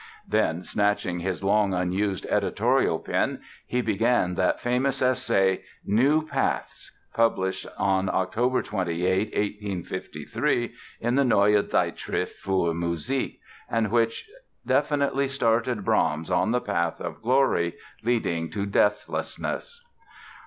Then snatching his long unused editorial pen he began that famous essay, "New Paths", published on Oct. 28, 1853, in the Neue Zeitschrift für Musik, and which definitely started Brahms on the path of glory leading to deathlessness.